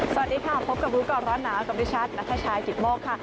สวัสดีค่ะพบกับรู้ก่อนร้อนหนาวกับดิฉันนัทชายจิตโมกค่ะ